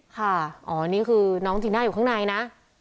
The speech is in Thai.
ค่ะอ๋อนี่คือน้องจีน่าอยู่ข้างในนะ